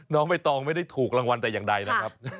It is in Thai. น้องใบตองไม่ได้ถูกรางวัลแต่อย่างใดนะครับ